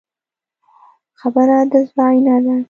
خبره د زړه آیینه ده.